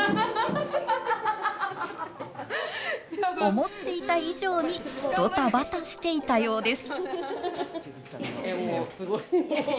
思っていた以上にドタバタしていたようです。